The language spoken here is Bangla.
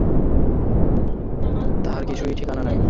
সেখানে গিয়া সে কী দেখিবে, কী শুনিবে, তাহার কিছুই ঠিকানা নাই।